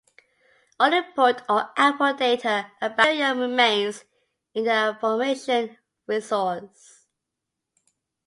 All input or output data about material remains in the information resource.